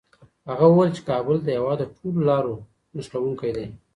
هغه وویل چي کابل د هېواد د ټولو لارو نښلوونکی دی.